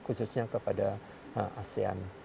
khususnya kepada asean